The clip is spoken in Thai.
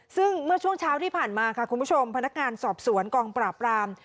ซึ่งเมื่อช่วงเช้าที่ผ่านมาค่ะคุณผู้ชมพนักงานสอบสวนกองปราบราม